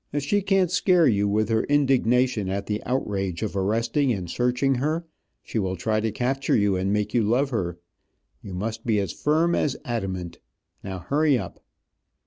If she can't scare you, with her indignation at the outrage of arresting and searching her, she will try to capture you and make you love her. You must be as firm as adamant. Now hurry up."